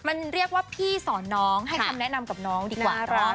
มันเรียกว่าพี่สอนน้องให้คำแนะนำกับน้องดีกว่า